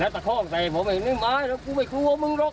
แล้วตะโทกใส่ผมอีกหนึ่งอ้าวแล้วผมไม่กลัวมึงรก